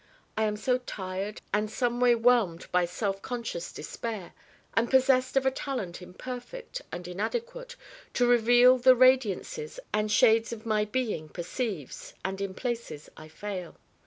I am also tired and someway whelmed by self conscious despair, and possessed of a talent imperfect and inadequate to reveal the radiances and shades my being perceives: and in places I fail.